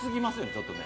ちょっとね。